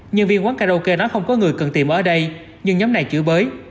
nhân viên quán karaoke nói không có người cần tìm ở đây nhưng nhóm này chữ bới